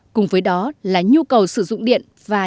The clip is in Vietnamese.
cùng với đó là nhu cầu sử dụng điện và